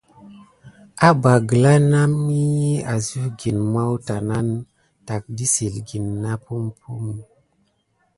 Abba gəla naməhi aziwgine mawta nane tack dəssilgəne na mompum.